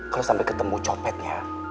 kalau sampai ketemu copetnya